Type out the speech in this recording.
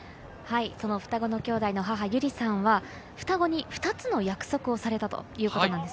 双子の兄弟の母・ゆりさんは、双子に２つの約束をされたということです。